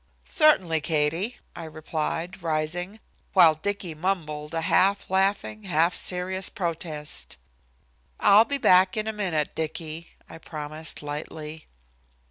"Certainly, Katie," I replied, rising, while Dicky mumbled a half laughing, half serious protest. "I'll be back in a minute, Dicky," I promised, lightly.